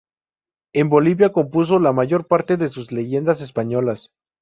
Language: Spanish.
En Bolivia compuso la mayor parte de sus "Leyendas españolas".